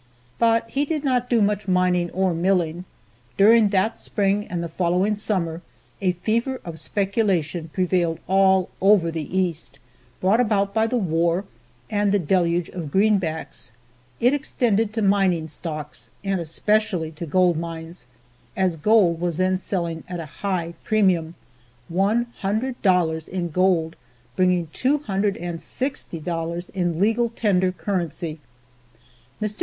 But he did not do much mining or milling. During that spring and the following summer a fever of speculation prevailed all over the East, brought about by the war and the deluge of greenbacks. It extended to mining stocks, and especially to gold mines, as gold was then selling at a high premium one hundred dollars in gold bringing $260 in legal tender currency. Mr.